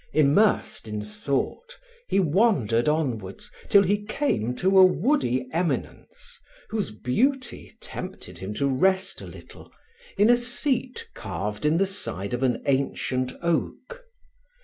Immersed in thought, he wandered onwards, till he came to a woody eminence, whose beauty tempted him to rest a little, in a seat carved in the side of an ancient oak.